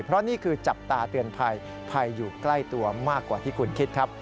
เพราะนี่คือจับตาเตือนภัยภัยอยู่ใกล้ตัวมากกว่าที่คุณคิดครับ